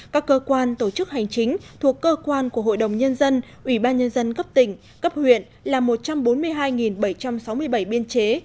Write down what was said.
các cơ quan tổ chức hành chính thuộc cơ quan của hội đồng nhân dân ủy ban nhân dân cấp tỉnh cấp huyện là một trăm bốn mươi hai bảy trăm sáu mươi bảy biên chế